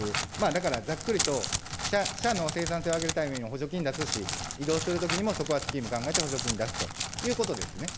だから、ざっくりと社の生産性を上げるためには補助金出すし、移動するときにも、そこはスキルを考えて補助金を出すということですね。